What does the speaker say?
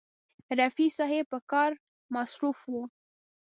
رفیع صاحب په کار مصروف و.